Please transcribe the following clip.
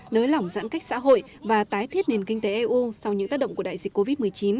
nới lỏng giãn cách xã hội và tái thiết nền kinh tế eu sau những tác động của đại dịch covid một mươi chín